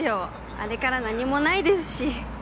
あれから何もないですし。